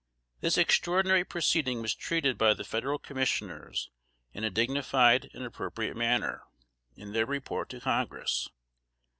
This extraordinary proceeding was treated by the Federal Commissioners in a dignified and appropriate manner, in their report to Congress.